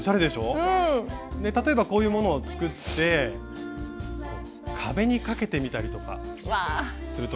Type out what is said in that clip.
例えばこういうものを作って壁にかけてみたりとかすると。